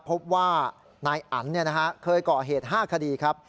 พบว่านายอันเคยก่อเหตุ๕คดีครับ